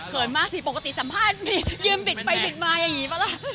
มากสิปกติสัมภาษณ์สิยืนบิดไปบิดมาอย่างนี้ป่ะล่ะ